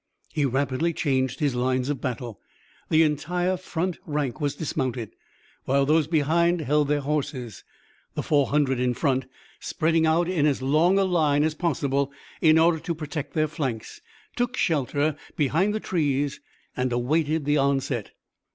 He rapidly changed his lines of battle. The entire front rank was dismounted, while those behind held their horses. The four hundred in front, spreading out in as long a line as possible in order to protect their flanks, took shelter behind the trees and awaited the onset.